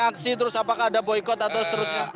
aksi terus apakah ada boykot atau seterusnya